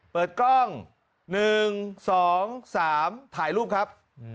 เปิดกล้อง๑๒๓ถ่ายรูปครับ